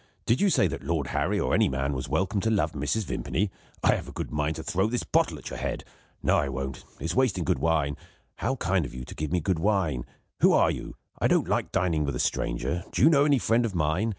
Did you say that Lord Harry, or any man, was welcome to love Mrs. Vimpany? I have a great mind to throw this bottle at your head. No, I won't; it's wasting good wine! How kind of you to give me good wine. Who are you? I don't like dining with a stranger. Do you know any friend of mine?